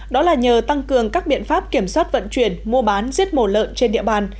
đó là nhờ tăng cường các biện pháp kiểm soát vận chuyển mua bán giết mổ lợn trên địa bàn